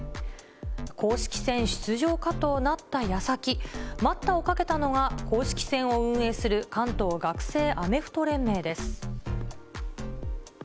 公式戦出場かとなったやさき、待ったをかけたのが公式戦を運営する関東学生アメフト連盟です。